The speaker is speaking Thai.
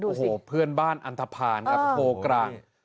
โอ้โหพี่กลิ้นบ้านอัลทธาพูดโกรธ